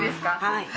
はい。